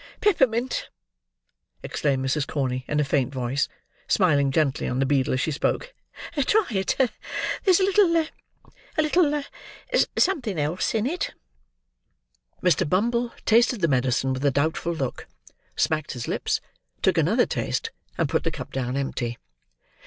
"Peppermint," exclaimed Mrs. Corney, in a faint voice, smiling gently on the beadle as she spoke. "Try it! There's a little—a little something else in it." Mr. Bumble tasted the medicine with a doubtful look; smacked his lips; took another taste; and put the cup down empty.